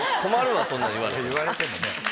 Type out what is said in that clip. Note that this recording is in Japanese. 言われてもね。